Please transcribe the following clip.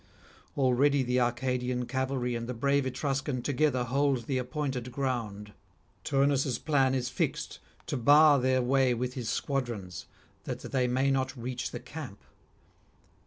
Already the Arcadian cavalry and the brave Etruscan together hold the appointed ground. Turnus' plan is fixed to bar their way with his squadrons, that they may not reach the camp.